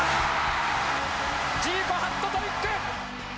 ジーコ、ハットトリック。